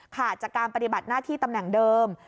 ขาดจากการปฏิบัติหน้าที่ตำแหน่งเดิม